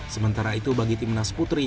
sementara itu bagi tim nas putri